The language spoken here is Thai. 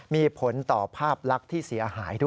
มีผลต่อภาพลักษณ์ที่เสียหายด้วย